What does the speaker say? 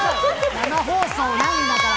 生放送なんだから。